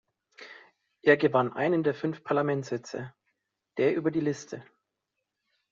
Er gewann einen der fünf Parlamentssitze der über die Liste.